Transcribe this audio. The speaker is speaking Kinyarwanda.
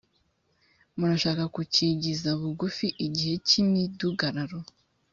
murashaka gukigiza bugufi igihe cy’imidugararo.